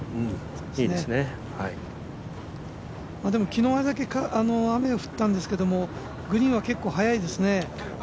昨日あれだけ雨が降ったんですけどグリーンは結構、はやいですね。